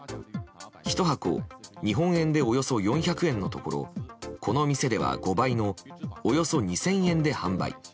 ひと箱、日本円でおよそ４００円のところこの店では５倍のおよそ２０００円で販売。